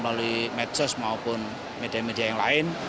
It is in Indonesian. melalui medsos maupun media media yang lain